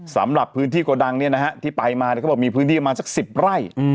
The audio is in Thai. สำหรับพื้นที่โกดังที่ไปมาเขาบอกมีพื้นที่ประมาณสัก๑๐ไร่